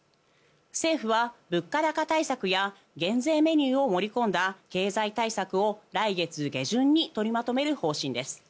政府は物価高対策や減税メニューを盛り込んだ経済対策を来月下旬に取りまとめる方針です。